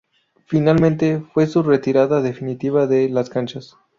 Finalmente, fue su retirada definitiva de las canchas.